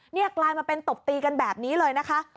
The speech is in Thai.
นี่กลายมาเป็นตบตีกันแบบนี้เลยนะคะ